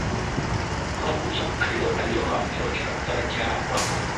rock hudson alioa mke wake na kutalakiana hapohapo